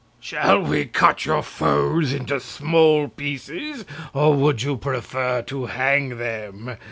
"Shall we cut your foes into small pieces, or would you prefer to hang them?"